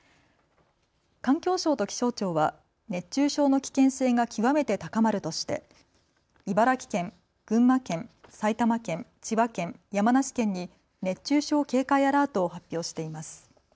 環境省と気象庁は熱中症の危険性が極めて高まるとして茨城県、群馬県、埼玉県、千葉県、山梨県に熱中症警戒アラートを発表しています。